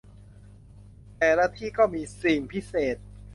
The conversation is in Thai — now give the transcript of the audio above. แต่ละที่ก็มี 'สิ่งพิเศษ'